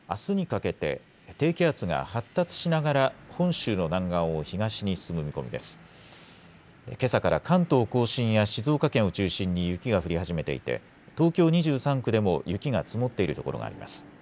けさから関東甲信や静岡県を中心に雪が降り始めていて東京２３区でも雪が積もっている所があります。